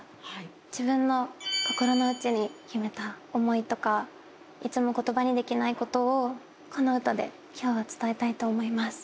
自分の心の内に秘めた想いとかいつも言葉に出来ないことをこの歌で今日は伝えたいと思います。